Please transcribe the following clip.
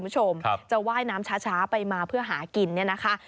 จะไหว้น้ำช้าไปมาเพื่อหากินนี่นะคะ